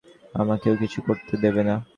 নিজে তো কিছুই করবে না, আমাকেও কিছু করতে দেবে না।